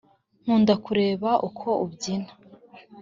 nkunda kureba uko ubyina